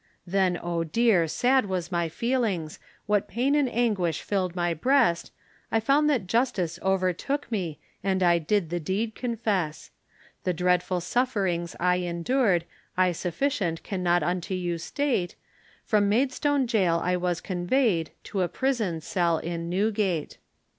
Then, oh dear, sad was my feelings, What pain and anguish filled my breast, I found that Justice overtook me, And I did the deed confess; The dreadful sufferings I endured, I sufficient cannot unto you state, From Maidstone Gaol I was conveyed, To a prison cell in Newgate.